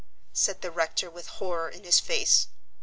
said the rector with horror in his face.